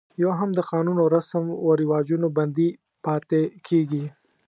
یو هم د قانون او رسم و رواجونو بندي پاتې کېږي.